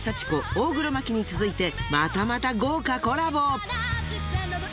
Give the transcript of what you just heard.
大黒摩季に続いてまたまた豪華コラボ。